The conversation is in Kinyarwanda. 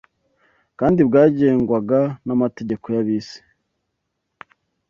kandi bwagengwaga n’amategeko y’ab’isi